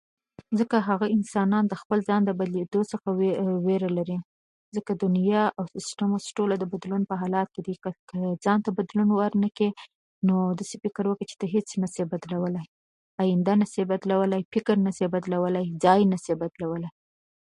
. که کار کوې، نو کار به کېږي، خو که کار نه کوې، نو کار به نه کېږي، که څه هم کار شته.